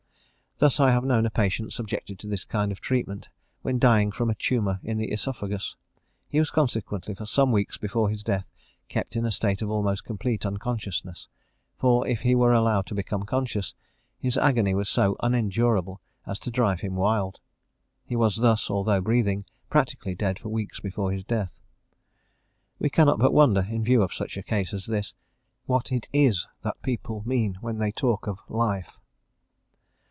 Thus, I have known a patient subjected to this kind of treatment, when dying from a tumour in the aesophagus; he was consequently for some weeks before his death, kept in a state of almost complete unconsciousness, for if he were allowed to become conscious, his agony was so unendurable as to drive him wild. He was thus, although breathing, practically dead for weeks before his death. We cannot but wonder, in view of such a case as his, what it is that people mean when they talk of "life."